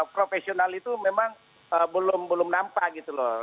profesional itu memang belum nampak gitu loh